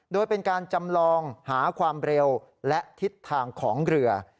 โดยเป็นการจำลองหาความเร็วและทิศทางของเรือ